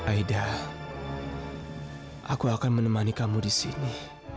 aida aku akan menemani kamu di sini